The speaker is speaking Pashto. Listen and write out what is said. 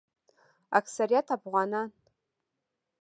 اکثریت افغانان